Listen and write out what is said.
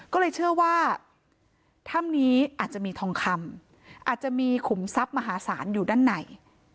ก็เลยเชื่อว่าถ้ำนี้อาจจะมีทองคำอาจจะมีขุมทรัพย์มหาศาลอยู่ด้านใน